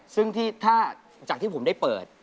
ซึ่งถ้าจากที่ผมได้เปิด